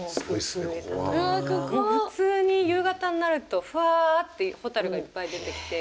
普通に夕方になるとふわってホタルがいっぱい出てきて。